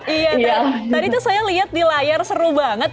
iya tuh tadi tuh saya lihat di layar seru banget